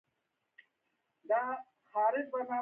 ګلستان غرونه څومره لوړ دي؟